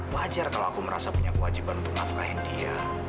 wajar kalau aku merasa punya kewajiban untuk nafkahin dia